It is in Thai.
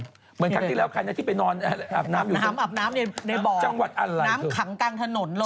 เหมือนครั้งที่แล้วใครน้ำเข้าไปนอนอาบน้ำอยู่